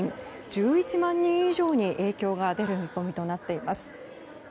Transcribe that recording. １１万人以上に影響が出る見込みとなっています。